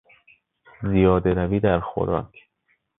زیاده روی در خوراک